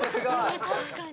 確かに。